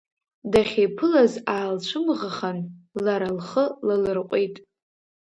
Дахьиԥылаз аалцәымӷахан, лара лхы лалырҟәит.